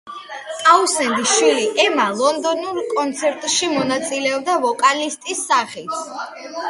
ტაუნსენდის შვილი ემა ლონდონურ კონცერტებში მონაწილეობდა ვოკალისტის სახით.